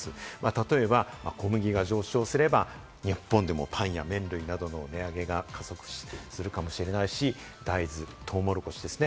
例えば小麦が上昇すれば、日本でもパンや麺類などの値上げが加速するかもしれないし、大豆、トウモロコシですね。